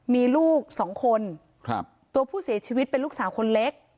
มีลูกสองคนครับตัวผู้เสียชีวิตเป็นลูกสาวคนเล็ก